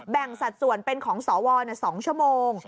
สัดส่วนเป็นของสว๒ชั่วโมง